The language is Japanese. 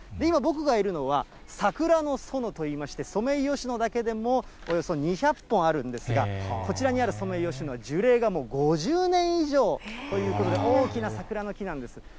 今、僕がいるのは桜の園といいまして、ソメイヨシノだけでもおよそ２００本あるんですが、こちらにあるソメイヨシノは、樹齢がもう５０年以上ということで、大きな桜の木なんです。